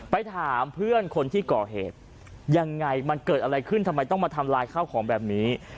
ไปถามเพื่อนคนที่ก่อเหตุยังไงมันเกิดอะไรขึ้นทำไมต้องมาทำลายข้าวของแบบนี้